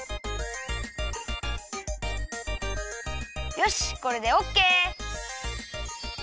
よしこれでオッケー！